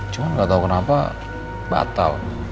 cuma gatau kenapa batal